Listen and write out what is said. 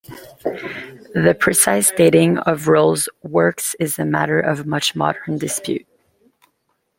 The precise dating of Rolle's works is a matter of much modern dispute.